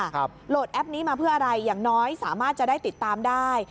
โหลดแอปนี้มาเพื่ออะไรอย่างน้อยสามารถจะได้ติดตามได้